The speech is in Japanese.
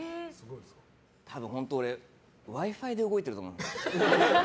多分、本当俺Ｗｉ‐Ｆｉで動いてると思う。